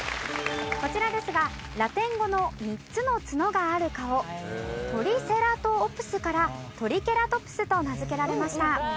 こちらですがラテン語の３つの角がある顔「トリセラトオプス」からトリケラトプスと名付けられました。